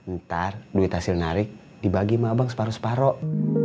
ntar duit hasil narik dibagi sama abang separuh separuh